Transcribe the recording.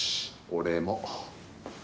俺も。